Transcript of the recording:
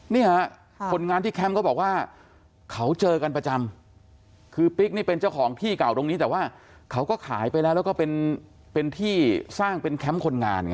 เนี่ยคนงานที่แคมป์เขาบอกว่าเขาเจอกันประจำคือปิ๊กนี่เป็นเจ้าของที่เก่าตรงนี้แต่ว่าเขาก็ขายไปแล้วแล้วก็เป็นที่สร้างเป็นแคมป์คนงานไง